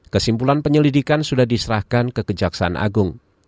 kesimpulan penyelidikan sudah diserahkan ke kejaksaan agung